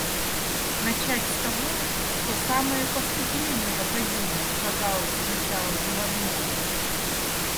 Начать с того, что самое поступление в академию казалось сначала невозможным.